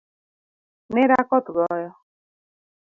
Nera koth goyo